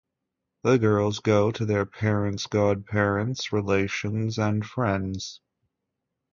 The girls go to their parents, godparents, relations, and friends.